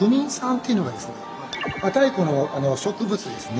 太古の植物ですね。